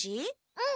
うん。